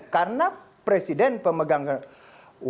karena presiden pemegang kekuasaan